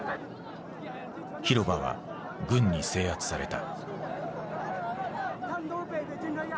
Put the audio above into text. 広場は軍に制圧された。